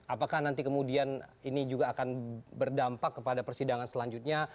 apakah nanti kemudian ini juga akan berdampak kepada persidangan selanjutnya